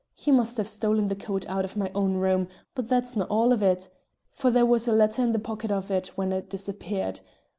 He must have stolen the coat out of my own room; but that's no' all of it, for there was a letter in the pocket of it when it disappeared.